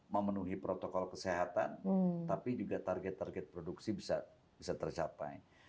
memenuhi protokol kesehatan tapi juga target target produksi bisa tercapai